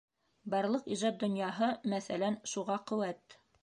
Барлыҡ ижад донъяһы, мәҫәлән, шуға ҡеүәт.